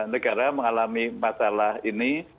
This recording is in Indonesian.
negara mengalami masalah ini